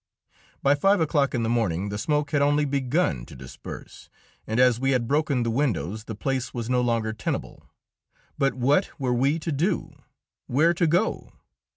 By five o'clock in the morning the smoke had only begun to disperse, and as we had broken the windows the place was no longer tenable. But what were we to do? where to go?